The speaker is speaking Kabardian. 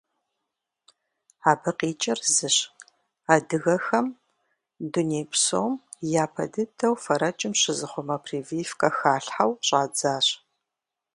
Абы къикӏыр зыщ: адыгэхэм дуней псом япэ дыдэу фэрэкӏым щызыхъумэ прививкэ халъхьэу щӏадзащ.